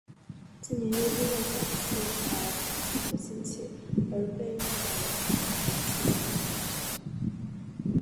近年又因为反器材步枪的兴起而被用在俄罗斯的反器材步枪上。